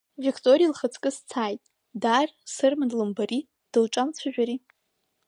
Викториа лхаҵкы сцааит, даар Сырма длымбари, дылҿамцәажәари.